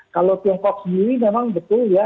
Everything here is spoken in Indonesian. kalau tiongkok sendiri memang betul ya